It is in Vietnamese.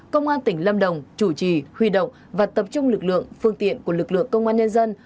công an tỉnh lâm đồng chủ trì huy động và tập trung lực lượng phương tiện của lực lượng công an nhân dân